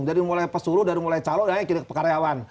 dari mulai pesuru dari mulai calon dan akhirnya ke pekaryawan